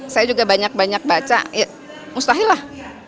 saya juga banyak banyak baca mustahil lah